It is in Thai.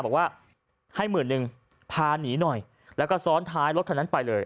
บอกว่าให้หมื่นนึงพาหนีหน่อยแล้วก็ซ้อนท้ายรถคันนั้นไปเลย